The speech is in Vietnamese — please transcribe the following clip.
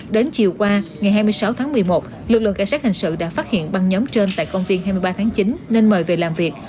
đến chiều qua ngày hai mươi sáu tháng một mươi một lực lượng cảnh sát hình sự đã phát hiện băng nhóm trên tại công viên hai mươi ba tháng chín nên mời về làm việc